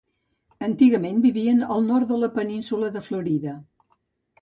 Antigament vivien al nord de la Península de Florida.